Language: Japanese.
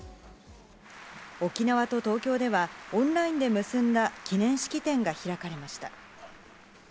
沖縄と東京では、オンラインで結んだ記念式典が開かれました。